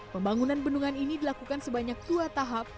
pembangunan bendungan ini dilakukan sebanyak dua tahap